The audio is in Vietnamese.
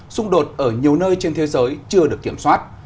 xung đột ở nhiều nơi trên thế giới chưa được kiểm soát